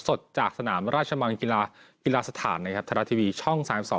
สดจากสนามราชมันกีฬาสถานในธรรมดาทีวีช่อง๓๒